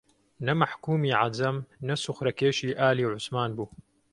نە مەحکوومی عەجەم نە سوخرەکێشی ئالی عوسمان بوو